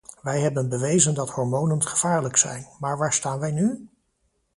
Wij hebben bewezen dat hormonen gevaarlijk zijn, maar waar staan wij nu?